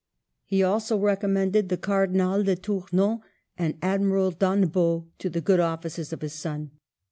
He also recom mended the Cardinal de Tournon and Admiral d'Annebaut to the good offices of his son.